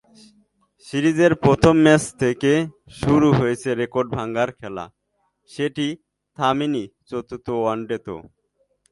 সিরিজের প্রথম ম্যাচ থেকে শুরু হয়েছে রেকর্ড-ভাঙার খেলা, সেটি থামেনি চতুর্থ ওয়ানডেতেও।